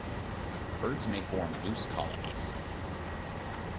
Birds may form loose colonies.